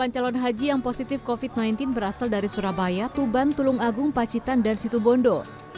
delapan calon haji yang positif covid sembilan belas berasal dari surabaya tuban tulung agung pacitan dan situbondo